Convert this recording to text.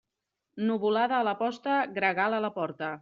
Nuvolada a la posta, gregal a la porta.